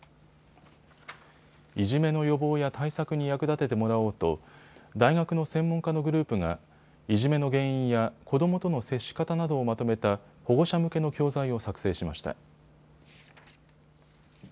いじめの予防や対策に役立ててもらおうと大学の専門家のグループがいじめの原因や子どもとの接し方などをまとめた保護者向けの教材を作成しました。